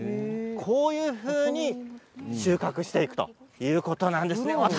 こういうふうに収穫していくということなんです。